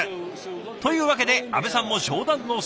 というわけで阿部さんも商談のサポートへ。